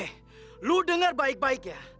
eh lo dengar baik baiknya